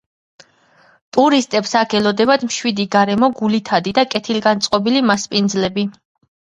ტურისტებს აქ ელოდებათ მშვიდი გარემო, გულითადი და კეთილგანწყობილი მასპინძლები.